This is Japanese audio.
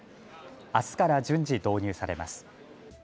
あすから順次、導入されます。